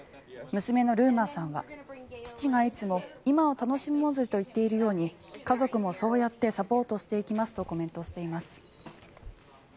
娘のルーマーさんは父がいつも今を楽しもうぜと言っているように家族もそうやってサポートしていきますとコメントしています。